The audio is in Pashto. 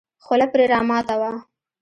خوله پرې راماته وه.